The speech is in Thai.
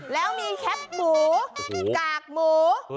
แล้วมีแคปหมูกากหมู